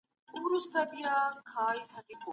عقیده د زړه قناعت ته اړتیا لري.